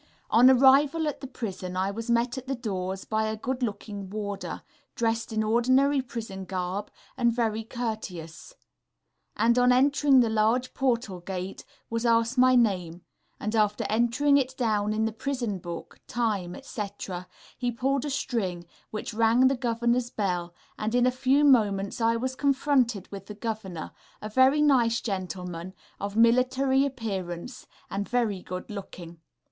On arrival at the prison I was met at the doors by a good looking warder, dressed in ordinary prison garb, and very courteous; and on entering the large portal gate, was asked my name, and after entering it down in the prison book, time, etc., he pulled a string, which rang the Governor's bell, and in a few moments I was confronted with the Governor, a very nice gentleman, of military appearance, and very good looking.